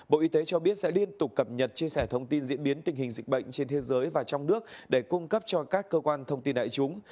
bộ y tế cho biết sẽ liên tục cập nhật chia sẻ thông tin diễn biến tình hình dịch bệnh trên thế giới và trong nước để cung cấp cho các cơ quan thông tin đại chúng